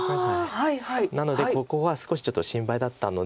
なのでここは少しちょっと心配だったので。